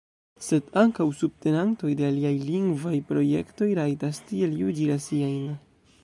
Sed ankaŭ subtenantoj de aliaj lingvaj projektoj rajtas tiel juĝi la siajn.